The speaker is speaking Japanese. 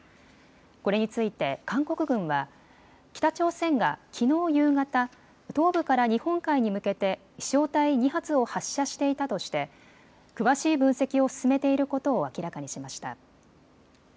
これについて韓国軍は北朝鮮がきのう夕方、東部から日本海に向けて飛しょう体２発を発射していたとして詳しい分析を進めていることを明らかにしました。